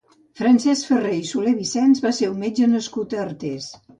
Francesc Ferrer i Solervicens va ser un metge nascut a Artés.